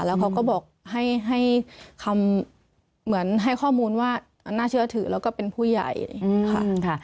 แล้วเขาก็บอกให้คำเหมือนให้ข้อมูลว่าน่าเชื่อถือแล้วก็เป็นผู้ใหญ่ค่ะ